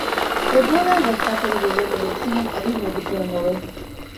އެބޯލާއިން ރައްކާތެރިވެވޭނެ ވެކުސިނެއް އަދި ހޯދިފައެއް ނުވެ